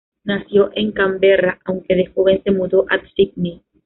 Nació en Canberra, aunque de joven se mudó a Sídney.